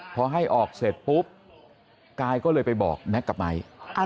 พอให้ออกเสร็จปุ๊บกายก็เลยไปบอกแก๊กกับไมค์